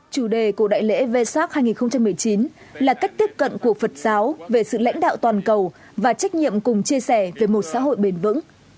chủ đề của đại lễ vê sát hai nghìn một mươi chín là cách tiếp cận của phật giáo về sự lãnh đạo toàn cầu và trách nhiệm cùng chia sẻ về một xã hội bền vững